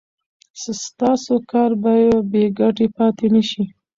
ستاسو کار به بې ګټې پاتې نشي.